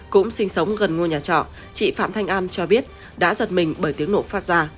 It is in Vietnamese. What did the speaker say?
cũng sinh sống gần ngôi nhà trọ chị phạm thanh an cho biết đã giật mình bởi tiếng nổ phát ra